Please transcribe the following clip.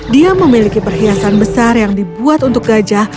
dia memiliki perhiasan besar yang dibuat untuk gajah